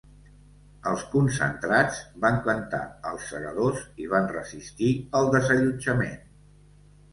Els concentrats van cantar ‘Els segadors’ i van resistir el desallotjament.